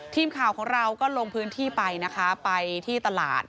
ทีมข่าวของเราก็ลงพื้นที่ไปนะคะไปที่ตลาด